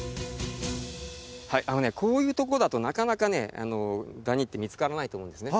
あのねこういうとこだとなかなかねダニって見つからないと思うんですね